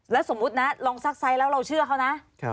แล้วสมมุตินะลองซักไซส์แล้วเราเชื่อเขานะ